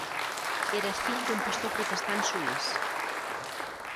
Era fill d’un pastor protestant suís.